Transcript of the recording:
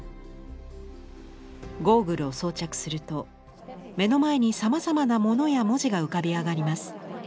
ゴーグルを装着すると目の前にさまざまな物や文字が浮かび上がります。